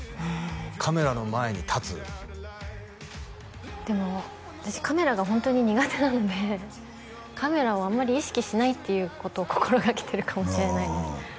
カメラの前に立つでも私カメラがホントに苦手なのでカメラをあんまり意識しないっていうことを心掛けてるかもしれないです